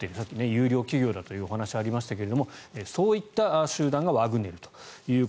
優良企業だという話もありましたがそういった集団がワグネルだと。